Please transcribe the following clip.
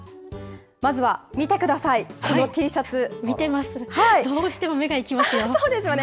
まずは、見てください、このＴシ見てます、どうしても目が行そうですよね。